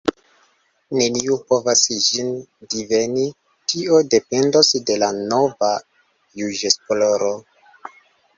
Neniu povas ĝin diveni: tio dependos de la nova juĝesploro.